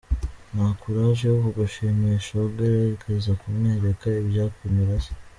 nta courage yo kugushimisha? ugerageza kumwereka ibyakunyura se?.